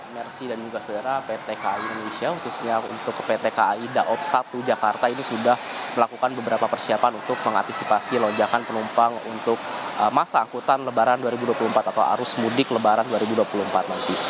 mercy dan juga selera pt kai indonesia khususnya untuk pt kai daob satu jakarta ini sudah melakukan beberapa persiapan untuk mengantisipasi lonjakan penumpang untuk masa angkutan lebaran dua ribu dua puluh empat atau arus mudik lebaran dua ribu dua puluh empat nanti